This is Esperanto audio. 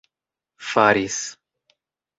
faris